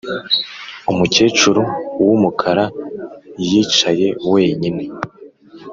umukecuru wumukara yicaye wenyine